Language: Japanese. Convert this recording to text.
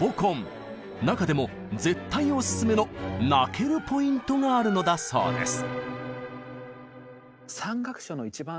中でも絶対おすすめの泣けるポイントがあるのだそうです。